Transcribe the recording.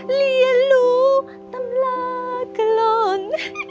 เหลียนรู้ตำลากะหล่อน